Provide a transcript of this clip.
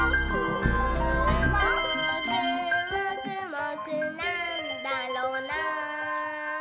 「もーくもくもくなんだろなぁ」